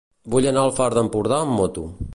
Vull anar al Far d'Empordà amb moto.